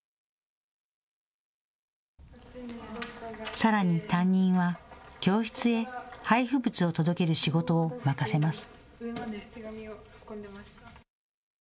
さらに担任は教室へ配布物を届ける仕事を任せます。